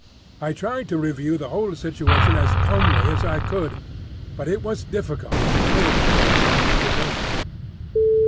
I tried to review the whole situation as calmly as I could, but it was difficult to clear the thing of emotion.